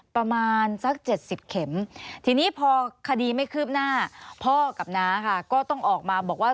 ประมาณสัก๗๐เข็มทีนี้พอคดีไม่คืบหน้าพ่อกับน้าค่ะก็ต้องออกมาบอกว่า